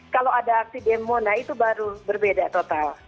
kalau ada aksi demo nah itu baru berbeda total